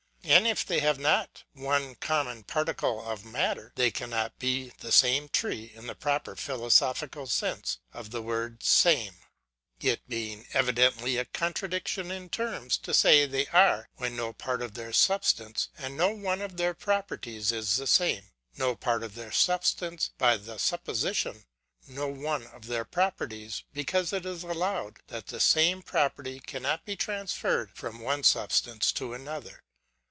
And if they have not one common particle of matter, they cannot be the same tree in the proper Of Personal Identity 259 philosophic sense of the word same : it being evidently a contradiction in terms, to say they are, when no part of their substance, and no one of their properties, is the same : no part of their substance, by the supposition ; no one of their properties, because it is allowed, that the same property cannot be transferred from one sub stance to another.